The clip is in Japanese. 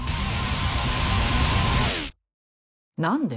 何で？